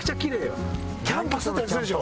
キャンパスって感じするでしょ？